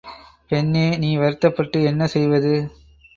பெண்ணே நீ வருத்தப்பட்டு என்ன செய்வது?